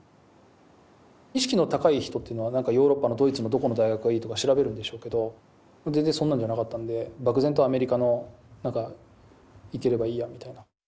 意識の高い人っていうのはヨーロッパのドイツのどこの大学がいいとか調べるんでしょうけど全然そんなんじゃなかったんで漠然とアメリカのなんか行ければいいやみたいな。